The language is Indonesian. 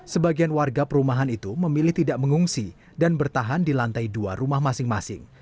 sebagian warga perumahan itu memilih tidak mengungsi dan bertahan di lantai dua rumah masing masing